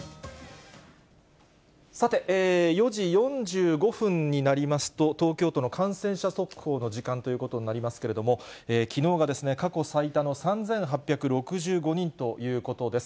さて、４時４５分になりますと、東京都の感染者速報の時間ということになりますけれども、きのうが過去最多の３８６５人ということです。